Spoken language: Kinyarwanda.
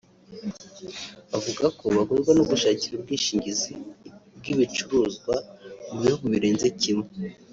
bavuga ko bagorwa no gushakira ubwishingizi bw’ibicuruzwa mu bihugu birenze kimwe